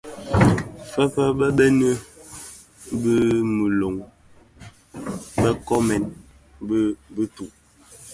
Fëfë, bëbëni bè muloň bë koomèn ki bituu.